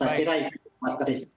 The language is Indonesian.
saya kira itu maskeris